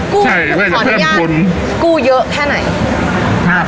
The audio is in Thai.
ใช่เว้ยขออนุญาตสกู้เยอะแค่ไหน